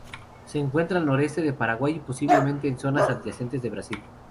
Se encuentra en el noroeste de Paraguay y posiblemente en zonas adyacentes de Brasil.